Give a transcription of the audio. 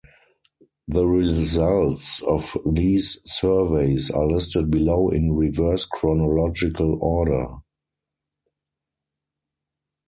The results of these surveys are listed below in reverse chronological order.